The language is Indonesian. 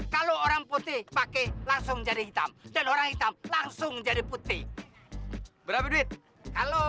kalau orang putih pakai langsung jadi hitam dan orang hitam langsung jadi putih berapa duit kalau